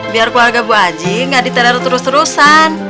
biar keluarga bu aji gak diteror terus terusan